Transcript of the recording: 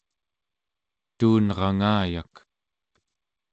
tuunrangayak